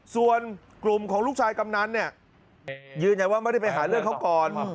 ส่วนกลุ่มของลูกชายกำนันเนี่ยยืนยันว่าไม่ได้ไปหาเรื่องเขาก่อน